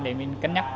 để mình cân nhắc